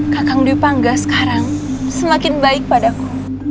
kakang dwi pangga sekarang semakin baik padaku